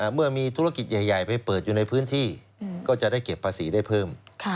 เมื่อมีธุรกิจใหญ่ไปเปิดอยู่ในพื้นที่ก็จะได้เก็บภาษีได้เพิ่ม